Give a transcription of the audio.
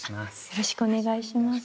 よろしくお願いします。